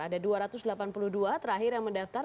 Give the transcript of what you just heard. ada dua ratus delapan puluh dua terakhir yang mendaftar